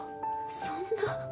そんな！